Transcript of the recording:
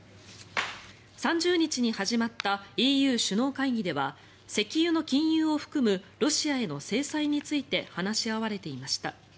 ３０日に始まったＥＵ首脳会議では石油の禁輸を含むロシアへの制裁について話し合われていました。